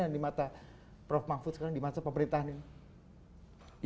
yang di mata prof mahfud sekarang di masa pemerintahan ini